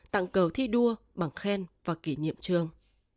tặng cầu thi đua bằng khen và kỷ niệm chương